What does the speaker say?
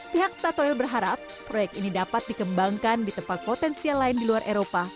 pihak statoil berharap proyek ini dapat dikembangkan di tempat potensial lain di luar eropa